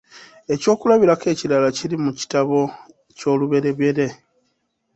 Ekyokulabirako ekirala kiri mu kitabo ky'Olubereberye.